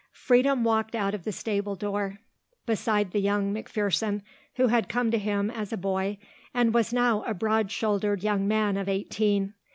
Freedom walked out of the stable door beside the young McPherson who had come to him as a boy and was now a broad shouldered young man of eighteen.